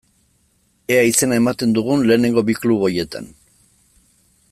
Ea izena ematen dugun lehenengo bi klub horietan.